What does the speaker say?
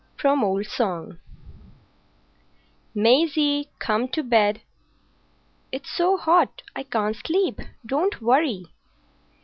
—Old Song. "Maisie, come to bed." "It's so hot I can't sleep. Don't worry."